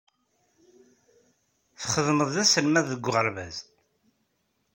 Txeddmeḍ d aselmad deg uɣerbaz.